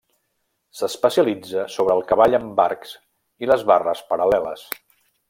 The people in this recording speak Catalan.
S'especialitza sobre el cavall amb arcs i les barres paral·leles.